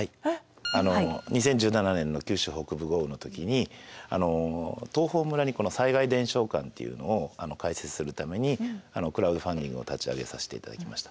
あの２０１７年の九州北部豪雨の時に東峰村に災害伝承館っていうのを開設するためにクラウドファンディングを立ち上げさしていただきました。